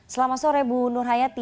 selamat sore bu nur hayati